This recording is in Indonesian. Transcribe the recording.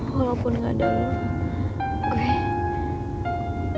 walaupun gak ada lu